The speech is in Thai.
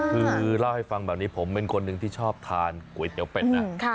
คือเล่าให้ฟังแบบนี้ผมเป็นคนหนึ่งที่ชอบทานก๋วยเตี๋ยวเป็ดนะ